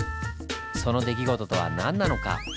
その出来事とは何なのか？